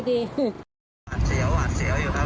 อาจเสียวอาจเสียวอยู่ครับ